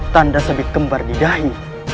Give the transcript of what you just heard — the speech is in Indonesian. tanda sabit kembar di dahi